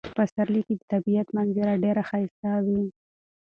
په پسرلي کې د طبیعت منظره ډیره ښایسته وي.